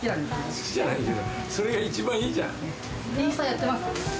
好きじゃないけどそれが一番いいじゃん。